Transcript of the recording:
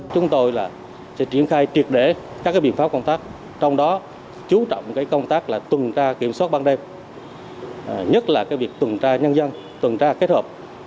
chúng tôi sẽ triển khai triệt để các biện pháp công tác trong đó chú trọng công tác tuần tra kiểm soát ban đêm nhất là việc tuần tra nhân dân tuần tra kết hợp